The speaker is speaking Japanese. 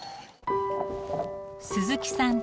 鈴木さん